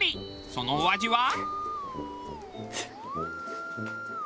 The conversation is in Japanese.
そのお味は？